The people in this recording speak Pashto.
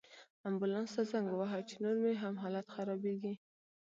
امبولانس ته زنګ ووهه، چې نور مې هم حالت خرابیږي